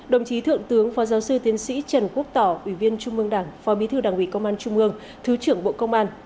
đồng chí thượng tướng phó giáo sư tiến sĩ trần quốc tỏ ủy viên trung mương đảng phó bí thư đảng ủy công an trung ương thứ trưởng bộ công an